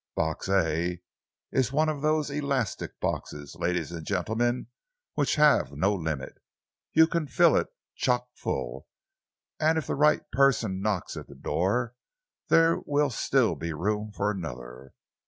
Box A is one of those elastic boxes, ladies and gentlemen, which have no limit. You can fill it chock full, and if the right person knocks at the door there will still be room for another.